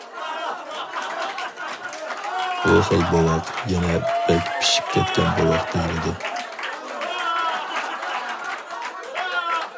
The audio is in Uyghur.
بۇ خىل بوۋاق يەنە بەك پىشىپ كەتكەن بوۋاق دېيىلىدۇ.